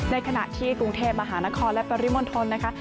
ในขณะที่กรุงเทพมหานครและปริมณฑลนะคะ